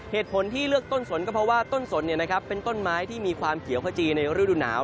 เหตุผลที่เลือกต้นสนก็เพราะว่าต้นสนเป็นต้นไม้ที่มีความเขียวขจีในฤดูหนาว